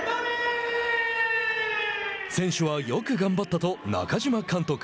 「選手はよく頑張った」と中嶋監督